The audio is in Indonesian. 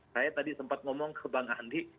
saya tadi sempat ngomong ke bang andi